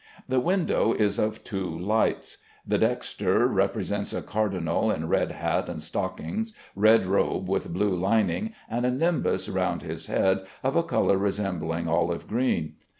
The window is of two lights. The dexter represents a cardinal in red hat and stockings, red robe with blue lining, and a nimbus round his head of a color resembling olive green.